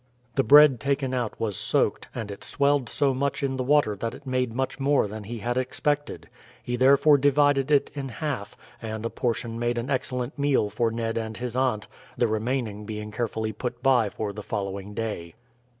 The bread taken out was soaked, and it swelled so much in the water that it made much more than he had expected. He therefore divided it in half, and a portion made an excellent meal for Ned and his aunt, the remaining being carefully put by for the following day.